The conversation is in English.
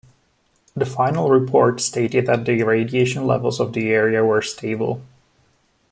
The final report stated that the radiation levels of the area were stable.